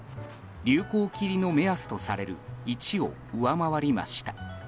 流行期入りの目安とされる１を上回りました。